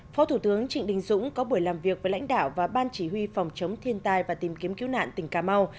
phó thủ tướng trịnh đình dũng có buổi làm việc với lãnh đạo và ban chỉ huy phòng chống thiên tai và tìm kiếm cứu nạn tỉnh cà mau